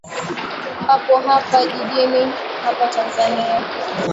hapo hapa jijini hapa tanzania